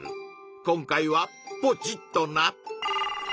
今回はポチッとな！